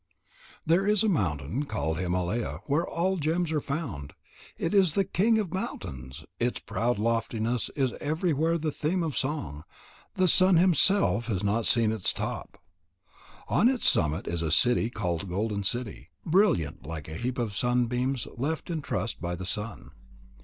There is a mountain called Himalaya where all gems are found. It is the king of mountains. Its proud loftiness is everywhere the theme of song. The sun himself has not seen its top. On its summit is a city called Golden City, brilliant like a heap of sunbeams left in trust by the sun.